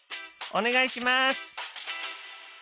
お願いします！